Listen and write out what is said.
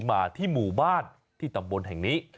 มาที่หมู่บ้านที่ตำบลแห่งนี้